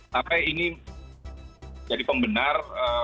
sampai ini jadi pembenar